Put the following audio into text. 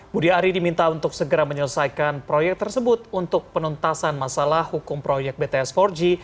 budi ari diminta untuk segera menyelesaikan proyek tersebut untuk penuntasan masalah hukum proyek bts empat g